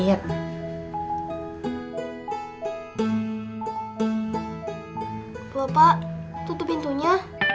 bapak tutup pintunya